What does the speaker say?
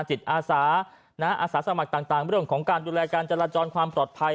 จิตอาสาอาสาสมัครต่างเรื่องของการดูแลการจราจรความปลอดภัย